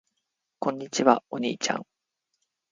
こんにちは。お兄ちゃん。